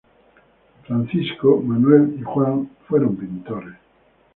Francisco, Manuel y Juan fueron pintores.